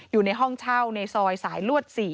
อยู่ในห้องเช่าในซอยสายลวด๔